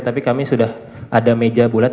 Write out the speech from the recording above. tapi kami sudah ada meja bulat